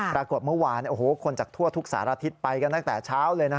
ปรากฏเมื่อวานคนจากทั่วทุกสารทิศไปกันตั้งแต่เช้าเลยนะ